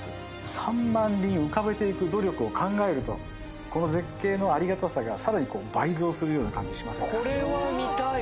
３万輪浮かべていく努力を考えるとこの絶景のありがたさがさらに倍増するような感じしませんか。